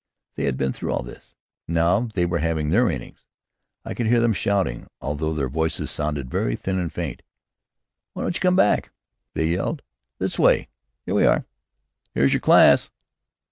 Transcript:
They had been through all this. Now they were having their innings. I could hear them shouting, although their voices sounded very thin and faint. "Why don't you come back?" they yelled. "This way! Here we are! Here's your class!"